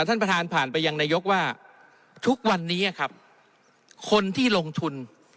ท่านประธานผ่านไปยังนายกว่าทุกวันนี้ครับคนที่ลงทุน